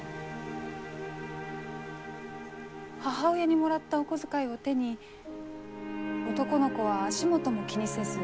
母親にもらったお小遣いを手に男の子は足元も気にせず駄菓子屋へ急ぎます。